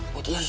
buat yang ini